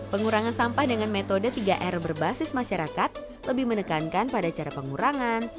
pengurangan sampah dengan metode tiga r berbasis masyarakat lebih menekankan pada cara pengurangan